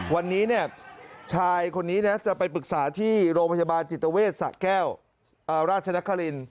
วันนี้ชายคนนี้นะจะไปปรึกษาที่โรงพยาบาลจิตเวทสะแก้วราชนคริน